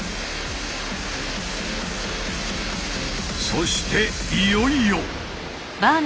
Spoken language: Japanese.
そしていよいよ！